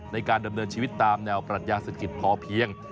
ในการดำเนินชีวิตตามแนวปรัชญาเศรษฐกิจพอเพียง